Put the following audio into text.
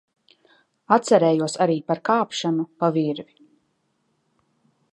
Atcerējos arī par kāpšanu pa virvi.